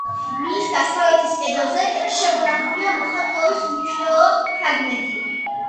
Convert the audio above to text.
მის დასავლეთის კედელზე შემონახულია მოხატულობის უმნიშვნელო ფრაგმენტი.